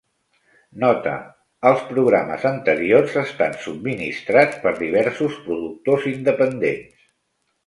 Nota: Els programes anteriors estan subministrats per diversos productors independents.